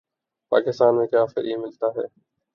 پاکستان میں کیا فری ملتا ہے